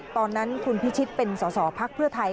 ตอนนั้นคุณพิชิตเป็นสอสอพักเพื่อไทย